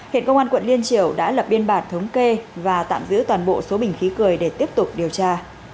hiện công an quận liên triều đã lập biên bản thống kê và tạm giữ toàn bộ số bình khí cười để tiếp tục điều tra